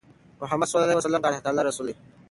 محمد ص د الله تعالی رسول دی.